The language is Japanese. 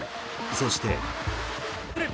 そして。